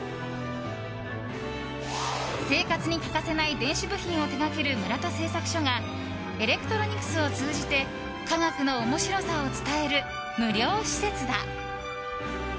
生活に欠かせない電子部品を手掛ける村田製作所がエレクトロニクスを通じて科学の面白さを伝える無料施設だ。